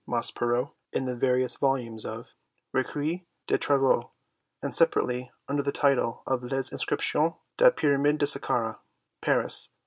Maspero in the various volumes of Recueil de Travaux, and separately under the title of Les Inscriptions des Pyramides de Saqqarah, Paris, 1894.